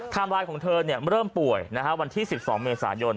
ไลน์ของเธอเริ่มป่วยวันที่๑๒เมษายน